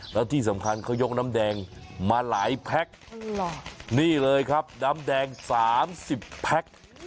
แล้วที่สำคัญเขายกน้ำแดงมาหลายแพ็คนี่เลยครับน้ำแดง๓๐แพ็ค